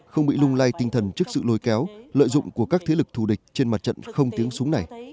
không bị lung lay tinh thần trước sự lôi kéo lợi dụng của các thế lực thù địch trên mặt trận không tiếng súng này